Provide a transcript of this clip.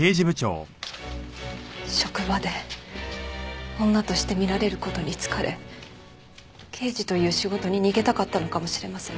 職場で女として見られる事に疲れ刑事という仕事に逃げたかったのかもしれません。